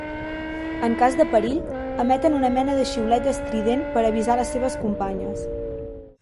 En cas de perill emeten una mena de xiulet estrident per avisar les seves companyes.